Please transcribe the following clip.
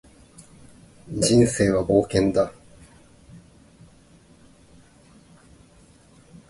人生は冒険だ